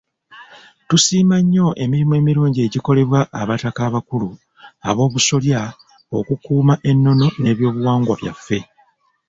Tusiima nnyo emirimu emirungi egikolebwa abataka abakulu ab'obusolya okukuuma ennono n'ebyobuwangwa byaffe.